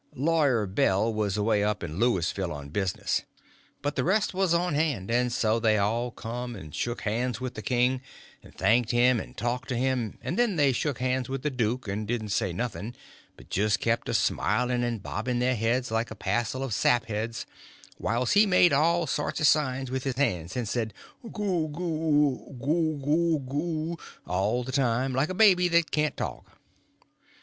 Lawyer Bell was away up to Louisville on business. But the rest was on hand, and so they all come and shook hands with the king and thanked him and talked to him; and then they shook hands with the duke and didn't say nothing, but just kept a smiling and bobbing their heads like a passel of sapheads whilst he made all sorts of signs with his hands and said "Goo goo—goo goo goo" all the time, like a baby that can't talk.